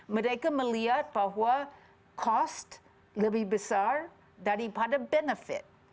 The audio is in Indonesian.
mereka melihat bahwa cost lebih besar daripada benefit